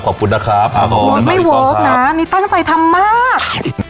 ขอบคุณนะครับกรมลุกไม่ดีน่ะตั้งใจทำมาก